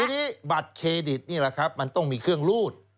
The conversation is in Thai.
ทีนี้บัตรเครดิตนี่แหละครับมันต้องมีเครื่องรูด